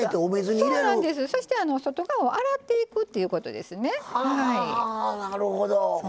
そして、外側を洗っていくっていうことですね。